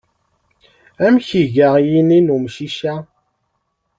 Amek iga yini n umcic-a?